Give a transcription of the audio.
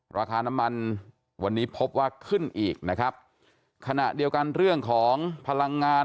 ราคาน้ำมันวันนี้พบว่าขึ้นอีกนะครับขณะเดียวกันเรื่องของพลังงาน